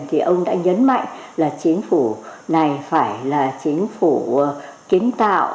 thì ông đã nhấn mạnh là chính phủ này phải là chính phủ kiến tạo